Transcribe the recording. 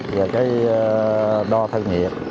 về cái đo thân mệnh